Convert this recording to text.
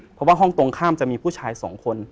เพราะว่าห้องตรงข้ามจะมีผู้ชายสองคน